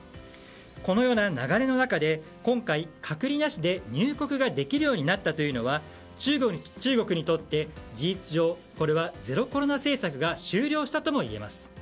このような流れの中で今回、隔離なしで入国ができるようになったというのは、中国にとって事実上、ゼロコロナ政策が終了したともいえます。